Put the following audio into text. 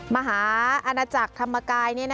มหาอาณาจักรธรรมกาย